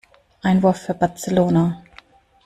Einwurf für Barcelona.